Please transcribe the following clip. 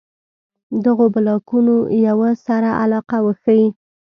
دغو بلاکونو یوه سره علاقه وښيي.